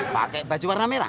pakai baju warna merah